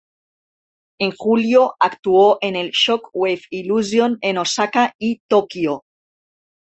En julio, actuó en el Shock Wave Illusion en Osaka y Tokio.